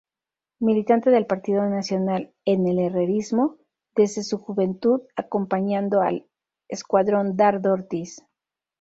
Militante del Partido Nacional, en el Herrerismo, desde su juventud, acompañando al Esc.Dardo Ortiz.